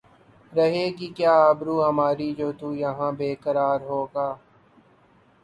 رہے گی کیا آبرو ہماری جو تو یہاں بے قرار ہوگا